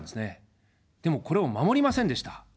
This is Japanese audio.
でも、これを守りませんでした。